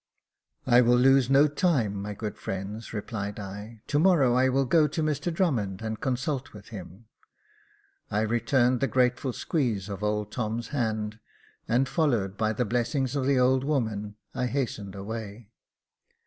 " I will lose no time, my good friends," replied I; " to morrow I will go to Mr Drummond, and consult with him." I returned the grateful squeeze of old Tom's hand, and, followed by the blessings of the old woman, I hastened away.